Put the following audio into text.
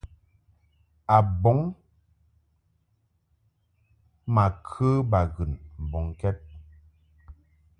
Abɔŋ ma kə baghɨn mbɔŋkɛd.